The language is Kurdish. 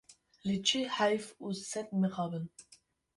Lê çi heyf û sed mixabin!